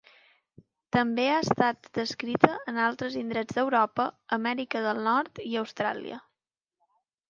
També ha estat descrita en altres indrets d'Europa, Amèrica del Nord i Austràlia.